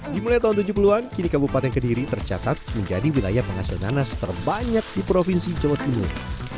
dimulai tahun tujuh puluh an kini kabupaten kediri tercatat menjadi wilayah penghasil nanas terbanyak di provinsi jawa timur